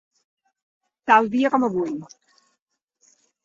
Tal dia com avui.